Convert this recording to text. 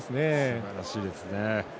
すばらしいですね。